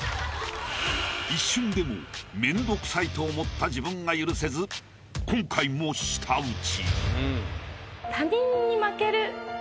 一瞬でも面倒くさいと思った自分が許せず今回も舌打ち。